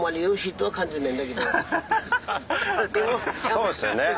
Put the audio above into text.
そうっすよね。